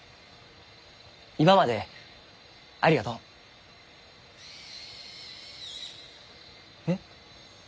今までありがとう。えっ。